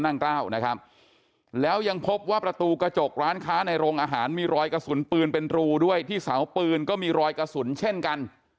นะครับแล้วยังพบว่าประตูกระจกร้านค้าในโรงอาหารมีรอยกระสุนปืนเป็นรูด้วยที่เสาปืนก็มีรอยกระสุนเช่นกัน